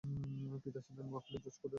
পিতা ছিলেন নোয়াখালী জজ কোর্টের আইনজীবী।